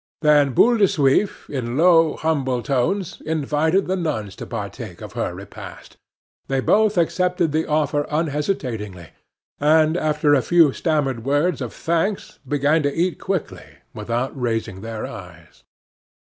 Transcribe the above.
Then Boule le Suif, in low, humble tones, invited the nuns to partake of her repast. They both accepted the offer unhesitatingly, and after a few stammered words of thanks began to eat quickly, without raising their eyes.